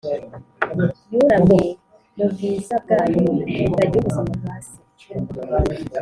yunamye mubwiza bwayo butagira ubuzima hasi